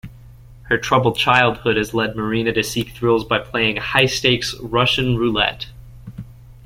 Her troubled childhood has led Marina to seek thrills by playing high-stakes Russian Roulette.